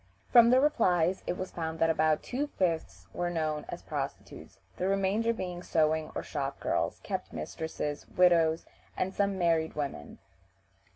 From the replies it was found that about two fifths were known as prostitutes, the remainder being sewing or shop girls, kept mistresses, widows, and some married women.